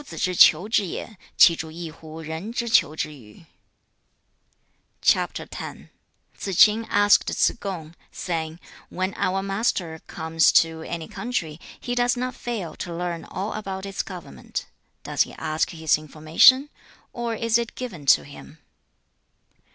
Tsze ch'in asked Tsze kung, saying, 'When our master comes to any country, he does not fail to learn all about its government. Does he ask his information? or is it given to him?'